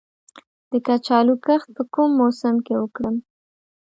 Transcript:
د کچالو کښت په کوم موسم کې وکړم؟